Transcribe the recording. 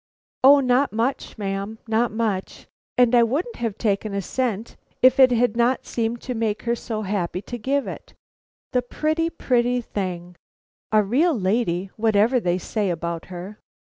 "O, not much, ma'am, not much. And I wouldn't have taken a cent if it had not seemed to make her so happy to give it. The pretty, pretty thing! A real lady, whatever they say about her!"